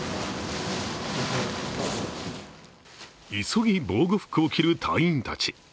急ぎ、防護服を着る隊員たち。